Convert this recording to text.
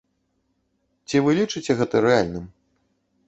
Ці вы лічыце гэта рэальным?